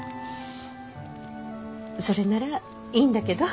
それならいいんだけど。